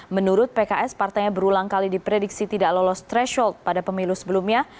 menurut pks partainya berulang kali diprediksi tidak lolos threshold pada pemilu sebelumnya